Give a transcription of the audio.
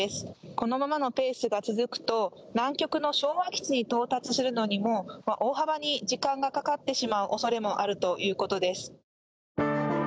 このままのペースが続くと南極の昭和基地に到着するのにも大幅に時間がかかってしまう恐れもあるということです。